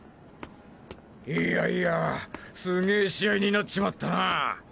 いやいやすげぇ試合になっちまったなァ。